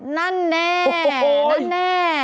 นั่นแน่นั่นแน่